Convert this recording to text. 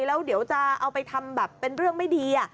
แล้วเดี๋ยวจะเอาไปทำแบบเป็นเรื่องไม่ดี